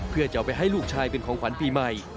เพื่อจะเอาไปให้ลูกชายเป็นของขวัญปีใหม่